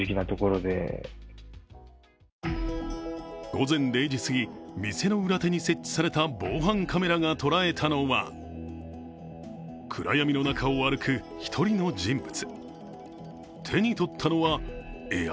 午前０時すぎ店の裏手に設置された防犯カメラが捉えたのは、暗闇の中を歩く１人の人物。